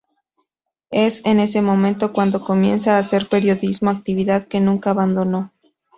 Es en ese momento cuando comienza a hacer periodismo, actividad que nunca abandonó.